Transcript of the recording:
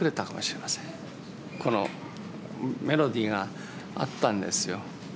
このメロディーがあったんですよ。